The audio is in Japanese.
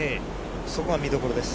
そこが見どころです。